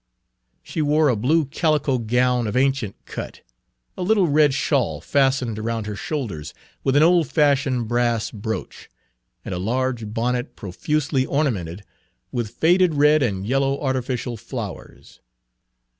She wore a blue calico gown of ancient cut, a little red shawl fastened around her shoulders with an old fashioned brass brooch, and a large bonnet profusely ornamented with faded red and yellow artificial flowers.